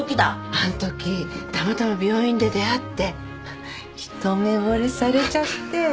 あの時たまたま病院で出会って一目惚れされちゃって。